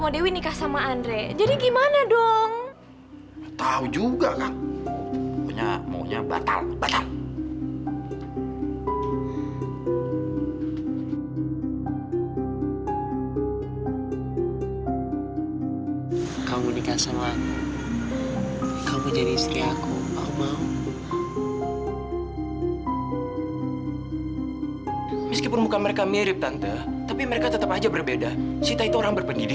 dewi bisa sendiri